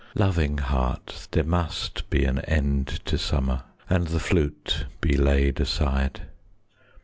Loving Heart, There must be an end to summer, And the flute be laid aside.